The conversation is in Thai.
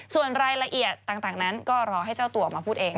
ส่วนรายละเอียดต่างนั้นก็รอให้เจ้าตัวออกมาพูดเอง